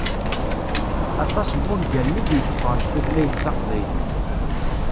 Aṭas n wungalen i d-iteffɣen s tutlayt taqbaylit.